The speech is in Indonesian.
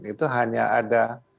itu hanya ada